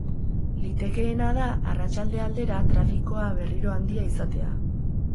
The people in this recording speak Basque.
Litekeena da arratsalde aldera trafikoa berriro handia izatea.